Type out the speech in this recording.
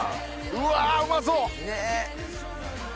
うわうまそう！